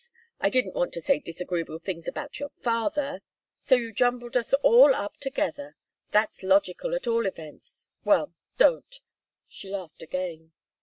I didn't want to say disagreeable things about your father " "So you jumbled us all up together! That's logical, at all events. Well don't!" she laughed again.